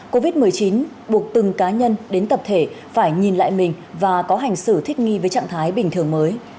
covid một mươi chín buộc từng cá nhân đến tập thể phải nhìn lại mình và có hành xử thích nghi với trạng thái bình thường mới